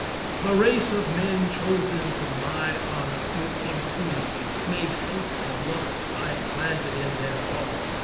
The race of men, Chosen to my honor, with impunity, May sate the lusts I planted in their heart.